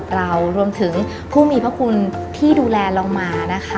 ในฐานะตอนนี้แพทย์รับสองตำแหน่งแล้วนะคะ